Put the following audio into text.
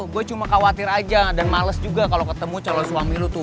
gue cuma khawatir aja dan males juga kalau ketemu calon suami lu tuh